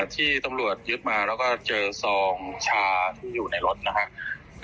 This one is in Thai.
ที่ตำรวจยึดมาแล้วก็เจอซองชาที่อยู่ในรถนะครับ